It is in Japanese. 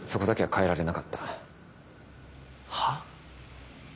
はっ？